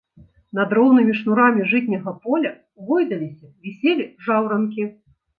Над роўнымі шнурамі жытняга поля гойдаліся, віселі жаўранкі.